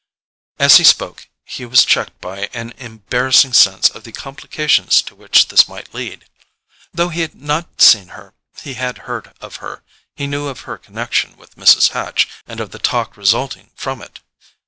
As he spoke, he was checked by an embarrassing sense of the complications to which this might lead. Though he had not seen her he had heard of her; he knew of her connection with Mrs. Hatch, and of the talk resulting from it.